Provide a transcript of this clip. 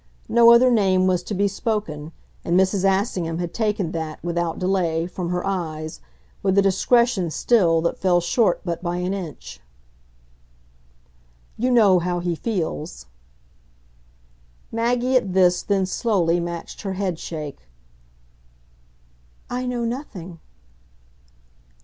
No other name was to be spoken, and Mrs. Assingham had taken that, without delay, from her eyes with a discretion, still, that fell short but by an inch. "You know how he feels." Maggie at this then slowly matched her headshake. "I know nothing."